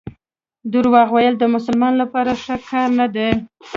درواغ ویل د مسلمان لپاره ښه کار نه دی.